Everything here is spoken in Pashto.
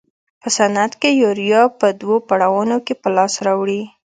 په صنعت کې یوریا په دوو پړاوونو کې په لاس راوړي.